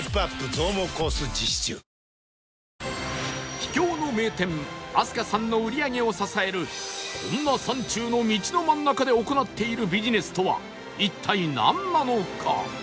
秘境の名店飛鳥さんの売り上げを支えるこんな山中の道の真ん中で行っているビジネスとは一体なんなのか？